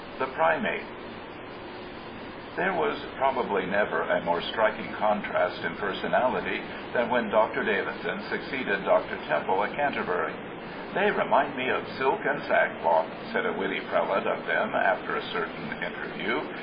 120 THE PRIMATE There was probably never a more striking contrast in personality than when Dr. Davidson succeeded Dr. Temple at Canterbury. " They remind me of silk and sa(^loth," said a witty prelate of them after a certain interview.